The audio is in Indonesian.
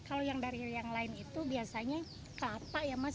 kalau yang dari yang lain itu biasanya kelapa ya mas